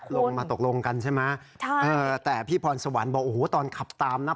ลงมาตกลงกันใช่ไหมใช่เออแต่พี่พรสวรรค์บอกโอ้โหตอนขับตามนะ